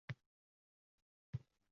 Dunyoni o‘zgartirib yuborishni o‘ylaysiz.